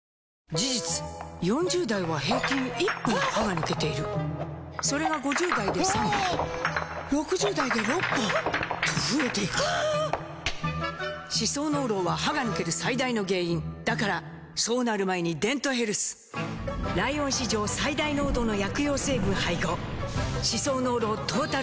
事実４０代は平均１本歯が抜けているそれが５０代で３本６０代で６本と増えていく歯槽膿漏は歯が抜ける最大の原因だからそうなる前に「デントヘルス」ライオン史上最大濃度の薬用成分配合歯槽膿漏トータルケア！